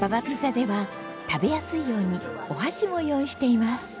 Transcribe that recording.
ＢａＢａピザでは食べやすいようにお箸も用意しています。